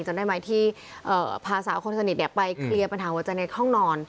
จำได้ไหมที่เอ่อพาสาวคนสนิทเนี้ยไปเคลียร์ปัญหาว่าจะในห้องนอน